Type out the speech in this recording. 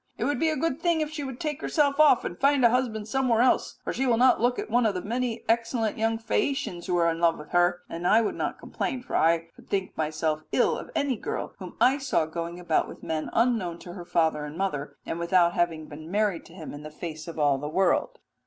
It would be a good thing if she would take herself off and find a husband somewhere else, for she will not look at one of the many excellent young Phaeacians who are in love with her'; and I could not complain, for I should myself think ill of any girl whom I saw going about with men unknown to her father and mother, and without having been married to him in the face of all the world.'"